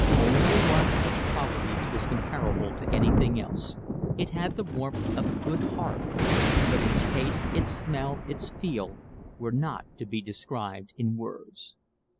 Only one of its qualities was comparable to anything else: it had the warmth of a good heart; but its taste, its smell, its feel, were not to be described in words.